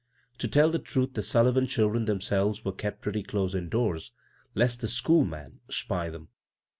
To tell the truth the Sullivan children themselves were kept pretty closely indoors lest the " school man " spy them.